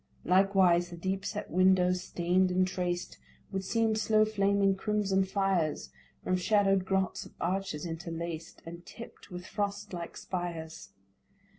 Likewise the deep set windows, stain'd and traced, Would seem slow flaming crimson fires From shadow'd grots of arches interlaced, And tipt with frost like spires.